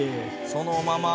そのまま？